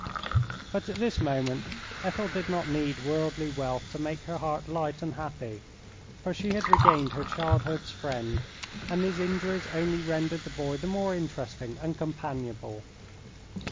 But at this moment Ethel did not need worldly wealth to make her heart light and happy, for she had regained her childhood's friend, and his injuries only rendered the boy the more interesting and companionable.